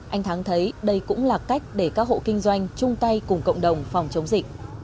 anh thắng thấy đây cũng là cách để các hộ kinh doanh chung tay cùng cộng đồng phòng chống dịch